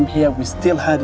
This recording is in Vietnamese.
nhưng quá lâu rồi